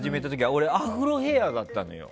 俺はアフロヘアだったのよ。